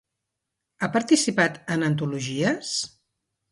Ha participat en antologies?